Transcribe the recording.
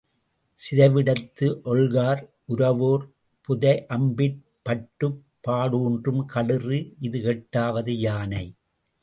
சிதைவிடத்து ஒல்கார் உரவோர் புதையம்பிற் பட்டுப் பாடூன்றும் களிறு இது எட்டாவது யானை.